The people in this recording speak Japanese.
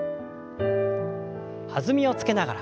弾みをつけながら。